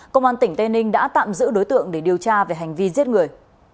công an tỉnh tây ninh đã tạm giữ đối tượng để điều tra về hành vi giết người